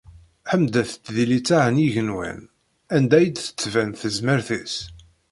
Ḥemdet- t di litteɛ n yigenwan anda i d-tettban tezmert-is!